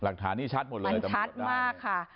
หลักฐานนี้ชัดหมดเลยตำรวจชัดมากค่ะ